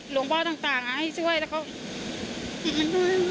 หลวงบ้าต่างนะให้ช่วยแต่เขา